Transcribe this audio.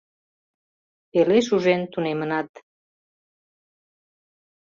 Пеле шужен тунемынат.